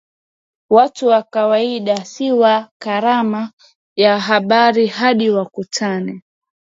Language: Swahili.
Watu wa kawaida si wa karama ya habari hadi wakutane